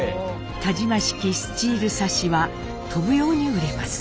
田島式スチールサッシは飛ぶように売れます。